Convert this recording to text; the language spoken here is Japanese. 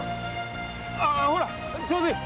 ああちょうどいい！